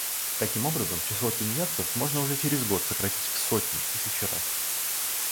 Таким образом, число тунеядцев можно уже через год сократить в сотни, тысячи раз.